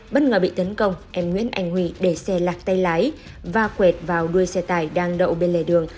bất ngờ bị tấn công em nguyễn anh huy để xe lạc tay lái và quẹt vào đuôi xe tải đang đậu bên lề đường